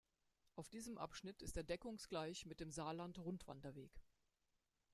Auf diesem Abschnitt ist er deckungsgleich mit dem Saarland-Rundwanderweg.